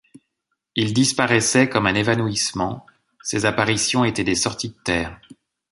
Il disparaissait comme un évanouissement ; ses apparitions étaient des sorties de terre.